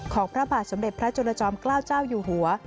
พระบาทสมเด็จพระจุลจอมเกล้าเจ้าอยู่หัว